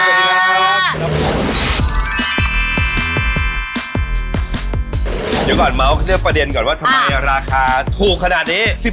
เดี๋ยวก่อนเมาส์เรื่องประเด็นก่อนว่าทำไมราคาถูกขนาดนี้